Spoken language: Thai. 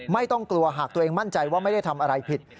ไม่ต้องกลัวหากตัวเองมั่นใจว่าไม่ได้ทำอะไรผิด